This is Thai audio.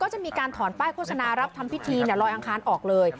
จะมีการถอนป้ายโฆษณารับทำพิธีลอยอังคารออกเลย